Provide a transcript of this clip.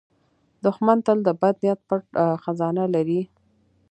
دښمن تل د بد نیت پټ خزانه لري